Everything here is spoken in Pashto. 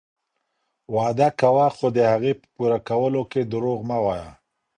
وعده کوه خو د هغې په پوره کولو کي دروغ مه وایه.